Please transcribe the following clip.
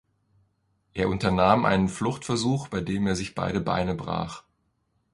Er unternahm einen Fluchtversuch, bei dem er sich beide Beine brach.